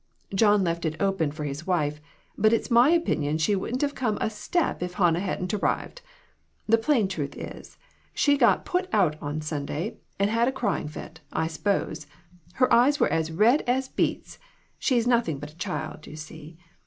John left it open for his wife, but it's my opin ion she wouldn't have come a step if Hannah hadn't arrived. The plain truth is, she got put out on Sunday, and had a crying fit, I s'pose. Her eyes were as red as beets ; she's nothing but a child, you see.